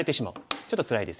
ちょっとつらいですよね。